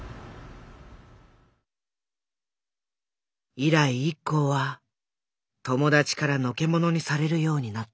以来ＩＫＫＯは友達からのけ者にされるようになった。